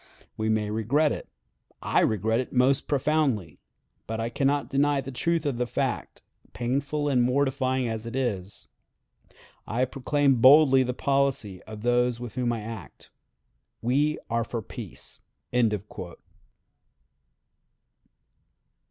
We may regret it. I regret it most profoundly; but I can not deny the truth of the fact, painful and mortifying as it is.... I proclaim boldly the policy of those with whom I act. We are for peace."